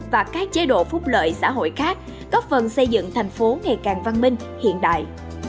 và các chế độ phúc lợi xã hội khác góp phần xây dựng thành phố ngày càng văn minh hiện đại